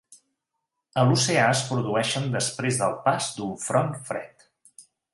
A l'oceà es produeixen després del pas d'un front fred.